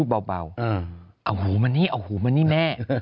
เบาเอาหูมานี่เอาหูมานี่แม่